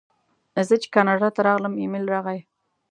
زه چې کاناډا ته راغلم ایمېل راغی.